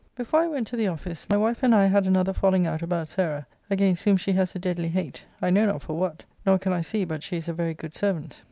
Before I went to the office my wife and I had another falling out about Sarah, against whom she has a deadly hate, I know not for what, nor can I see but she is a very good servant.